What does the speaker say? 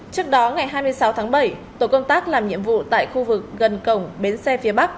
trước đó ngày hai mươi sáu tháng bảy tổ công tác làm nhiệm vụ tại khu vực gần cổng bến xe phía bắc